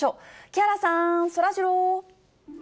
木原さん、そらジロー。